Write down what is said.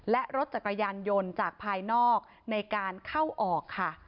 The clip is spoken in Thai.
และรถจักรยานยนต์จากภายนอกในการเข้าออกค่ะ